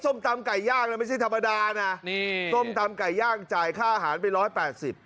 ส้มตำไก่ย่างไม่ใช่ธรรมดานะส้มตำไก่ย่างจ่ายค่าอาหารไป๑๘๐บาท